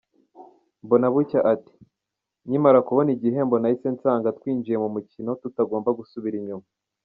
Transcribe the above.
Mbonabucya ati “Nkimara kubona igihembo, nahise nsanga twinjiye mu mukino tutagomba gusubira inyuma.